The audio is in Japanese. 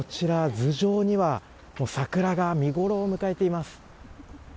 頭上には桜が見ごろを迎えています。